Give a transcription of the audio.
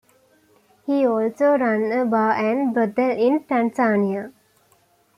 He also ran a bar and brothel in Tanzania.